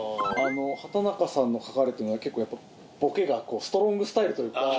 畠中さんの書かれてるのは結構ボケがストロングスタイルというか。